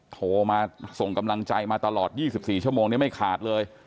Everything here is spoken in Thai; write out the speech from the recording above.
โทรมาส่งกำลังใจมาตลอด๒๔ชั่วโมงนี้ไม่ขาดเลย